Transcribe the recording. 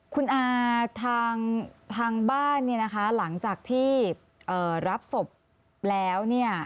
คุณอาทางบ้านเนี่ยนะคะหลังจากที่รับศพแล้วเนี่ย